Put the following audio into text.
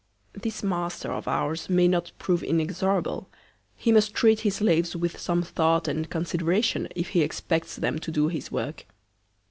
This Master of ours may not prove inexorable. He must treat his Slaves with some Thought and Consideration, if he expects them to do his Work.